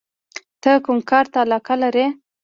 ته کوم کار ته علاقه لرې؟